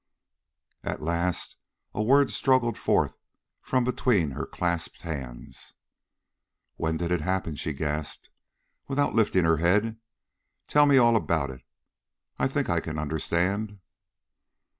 At last a word struggled forth from between her clasped hands. "When did it happen?" she gasped, without lifting her head. "Tell me all about it. I think I can understand."